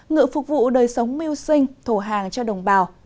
ngựa phục vụ đời sống mưu sinh thổ hàng cho đồng bào